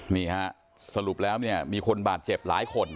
นี่ฮะสรุปแล้วเนี่ยมีคนบาดเจ็บหลายคน